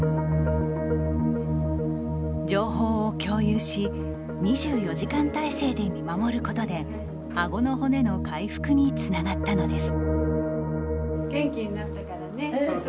情報を共有し２４時間体制で見守ることであごの骨の回復につながったのです。